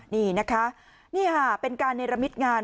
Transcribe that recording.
นี่เป็นการในระมิดงาน